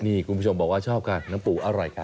นี่คุณผู้ชมบอกว่าชอบค่ะน้ำปูอร่อยค่ะ